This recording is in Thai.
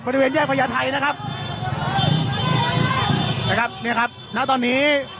บริเวณแยกพญาไทยนะครับนะครับเนี่ยครับณตอนนี้